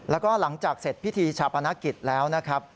แล้วก็หลังจากเสร็จพิธีชาปนกิจแล้วนะครับ